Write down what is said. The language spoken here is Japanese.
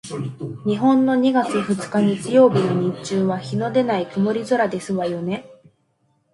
日本の二月二日日曜日の日中は日のでない曇り空ですわよね？